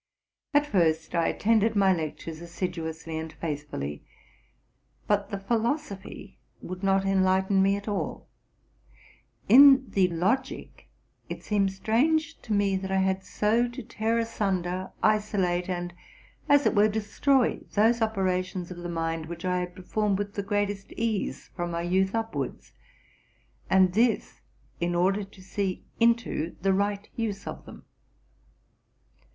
At first I attended my lectures assiduously and faithfully, but the philosophy would not enlighten me at all. In the logic it seemed strange to me that I had so to tear asunder, isolate, and, as it were, destroy, those operations of the mind which I had performed with the greatest ease from my youth upwards, and this in order to see into the right use of them.